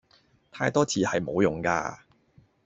太多字係無用架